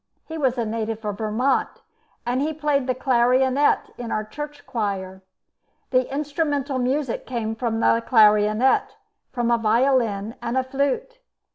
He was a native of Vermont, and he played the clarionet in our church choir. The instrumental music came from the clarionet, from a violin, and a flute.